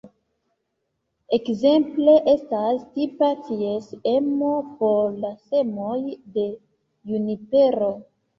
Ekzemple estas tipa ties emo por la semoj de junipero.